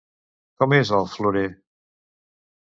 Com és el florer?